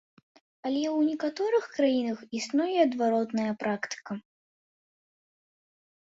Але ў некаторых краінах існуе і адваротная практыка.